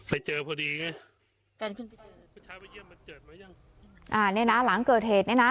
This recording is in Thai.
ไปเจอพอดีไงพี่ชายไปเยี่ยมบันเจิดไหมยังอ่าเนี่ยน่ะหลังเกิดเหตุเนี่ยน่ะ